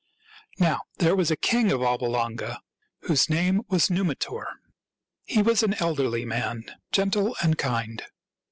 Now, there was a king of Alba Longa whose name was Numitor. He was an elderly man, gentle and kind.